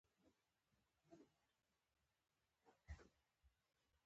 سل روپی پور کړه د ژمي شپه په کور کړه .